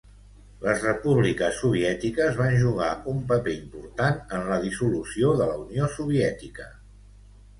Les repúbliques soviètiques van jugar un paper important en la dissolució de la Unió Soviètica.